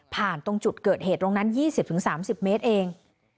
ตรงจุดเกิดเหตุตรงนั้น๒๐๓๐เมตรเอง